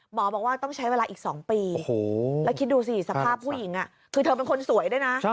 บอกว่าต้องใช้เวลาอีก๒ปีแล้วคิดดูสิสภาพผู้หญิงคือเธอเป็นคนสวยด้วยนะ